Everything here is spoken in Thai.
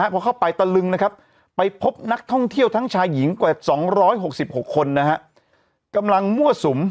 เพราะเข้าไปตลึงนะครับไปพบนักท่องเที่ยวทั้งชายหญิงกว่าสองร้อยหกสิบหกคนนะฮะ